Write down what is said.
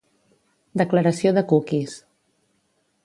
Declaració de cookies.